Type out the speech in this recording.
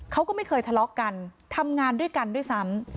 เขาก็ไม่เคยทะเลาะกันทำงานด้วยกันด้วยซ้ำ